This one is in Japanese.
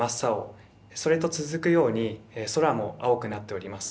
それと続くように空も青くなっております。